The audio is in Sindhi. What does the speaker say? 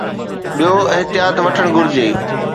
ٻيو احتياط وٺڻ گهرجي.